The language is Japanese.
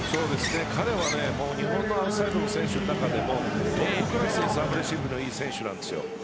彼は日本のアウトサイドの選手の中でもトップクラスにサーブレシーブのいい選手なんです。